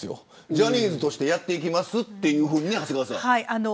ジャニーズとしてやっていきますというふうに、長谷川さん。